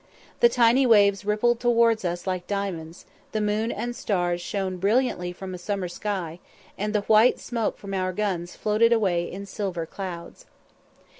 The tiny waves rippled towards us like diamonds, the moon and stars shone brilliantly from a summer sky, and the white smoke from our guns floated away in silver clouds.